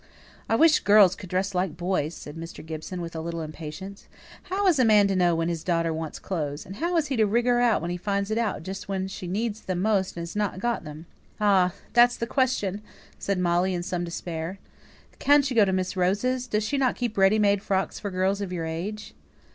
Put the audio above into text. "I wish girls could dress like boys," said Mr. Gibson, with a little impatience. "How is a man to know when his daughter wants clothes? and how is he to rig her out when he finds it out, just when she needs them most and hasn't got them?" "Ah, that's the question!" said Molly, in some despair. "Can't you go to Miss Rose's? Doesn't she keep ready made frocks for girls of your age?"